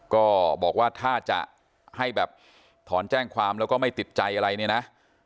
ก็บอกว่าถ้าจะให้แบบถอนแจ้งความแล้วก็ไม่ติดใจอะไรเนี่ยนะ